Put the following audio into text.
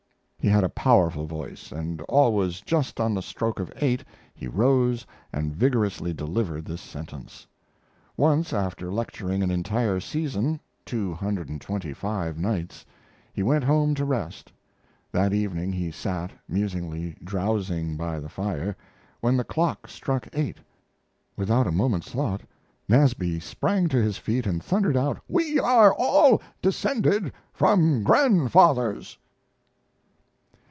He had a powerful voice, and always just on the stroke of eight he rose and vigorously delivered this sentence. Once, after lecturing an entire season two hundred and twenty five nights he went home to rest. That evening he sat, musingly drowsing by the fire, when the clock struck eight. Without a moment's thought Nasby sprang to his feet and thundered out, "We are all descended from grandfathers!"